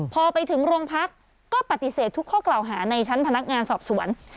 พอไปถึงโรงพักก็ปฏิเสธทุกข้อกล่าวหาในชั้นพนักงานสอบสวน